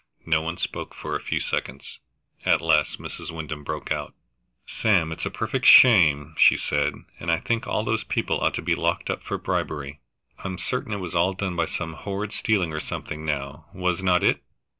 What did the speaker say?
No one spoke for a few seconds. At last Mrs. Wyndham broke out: "Sam, it's a perfect shame!" she said. "I think all those people ought to be locked up for bribery. I am certain it was all done by some horrid stealing, or something, now, was not it?"